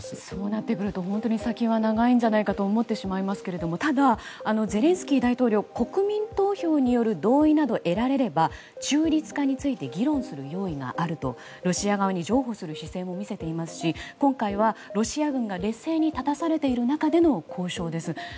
そうなってくると本当に先が長いんじゃないかと思ってしまいますけどただゼレンスキー大統領は国民投票による同意など得られれば中立化について議論する用意があるとロシア側に譲歩する姿勢も見えていますし今回は、ロシア軍が劣勢に立たされている中での交渉です。